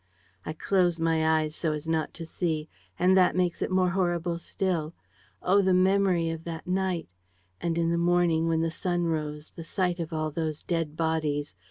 "I close my eyes so as not to see. And that makes it more horrible still. ... Oh, the memory of that night ... and, in the morning, when the sun rose, the sight of all those dead bodies!